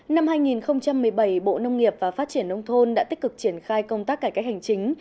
năm hai nghìn một mươi bảy bộ nông nghiệp và phát triển nông thôn đã tích cực triển khai công tác cải cách hành chính